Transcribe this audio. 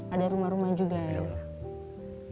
ada rumah rumah juga ya